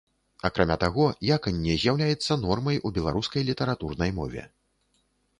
Акрамя таго, яканне з'яўляецца нормай у беларускай літаратурнай мове.